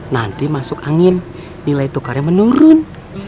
nanti masuk angin nilai tukarnya menurun